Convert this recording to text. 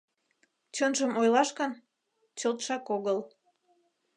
Чынжым ойлаш гын… Чылтшак огыл.